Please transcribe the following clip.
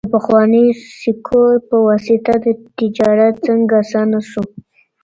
د پخوانیو سکو په واسطه تجارت څنګه اسانه سو؟